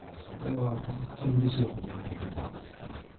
それは本当にうれしい褒め言葉ですね。